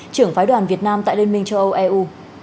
trưởng phái đoàn việt nam tại liên minh châu âu eu